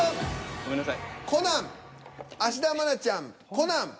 ごめんなさい。